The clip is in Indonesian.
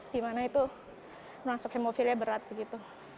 di mana itu merangsok hemofilia berat